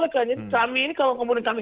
makanya kami ini kalau kemudian kami